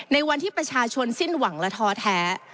ในวันที่ประชาชนสิ้นหวังและท้อแท้